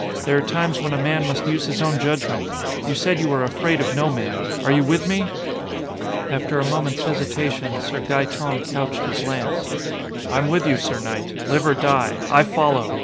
There are times when a man must use his own judgment! You said you were afraid of no man. Are you with me?" After a moment's hesitation, Sir Gaeton couched his lance. "I'm with you, sir knight! Live or die, I follow!